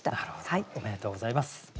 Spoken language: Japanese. おめでとうございます。